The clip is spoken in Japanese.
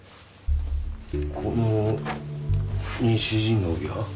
この西陣の帯は？